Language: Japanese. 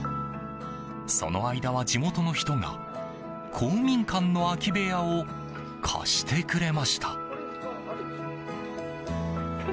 その間は地元の人が公民館の空き部屋を貸してくれました。